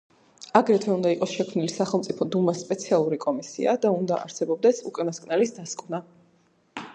აგრეთვე უნდა იყოს შექმნილი სახელმწიფო დუმას სპეციალური კომისია და უნდა არსებობდეს უკანასკნელის დასკვნა.